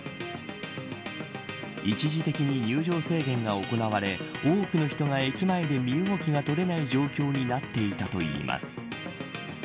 一時的に、入場制限が行われ多くの人が駅前で身動きが取れない状況になっていたといいます。